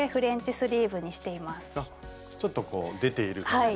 ちょっとこう出ている感じの。